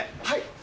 はい？